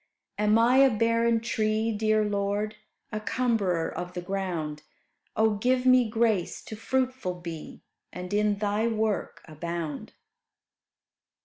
Am I a barren tree, dear Lord? A cumberer of the ground. Oh! give me grace to fruitful be, And in Thy work abound.